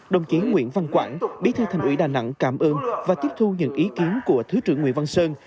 đồng chí nguyễn văn quảng bí thư thành ủy đà nẵng cảm ơn và tiếp thu những ý kiến của thứ trưởng nguyễn văn sơn